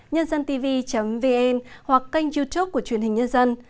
nhân dân tv vn hoặc kênh youtube của truyền hình nhân dân